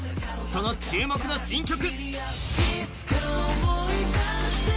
その注目の新曲